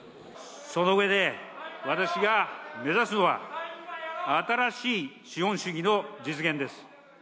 その上で私が目指すのは、新しい資本主義の実現です。